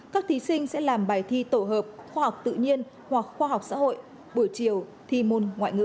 các thí sinh sẽ làm bài thi tổ hợp khoa học tự nhiên hoặc khoa học xã hội buổi chiều thi môn ngoại ngữ